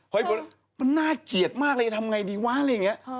พอที่บวชมันน่าเกลียดมากเลยทำอย่างไรดีวะอะไรอย่างนี้